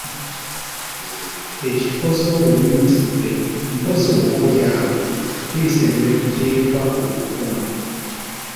Ekitukoze obubi nti ffe mpozzi oba oli awo tuyise newetuteekwa okukoma.